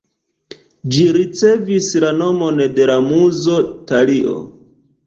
Ĝi ricevis la nomon de la muzo Talio.